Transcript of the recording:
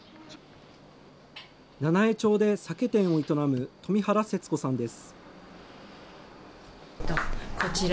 七飯町で酒店を営む冨原節子さんです。